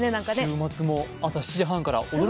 週末も朝７時半から。